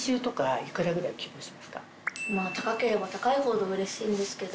高ければ高いほどうれしいんですけど。